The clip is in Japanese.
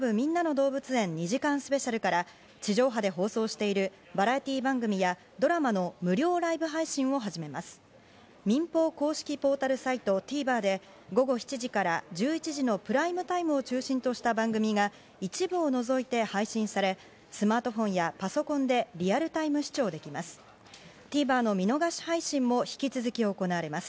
民放公式ポータルサイト・ＴＶｅｒで午後７時から１１時のプライムタイムを中心とした番組が一部を除いて配信され、スマートフォンやパソコンでリアルタイム視聴できます。